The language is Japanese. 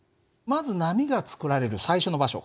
まず波が作られる最初の場所